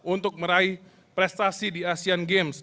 untuk meraih prestasi di asean games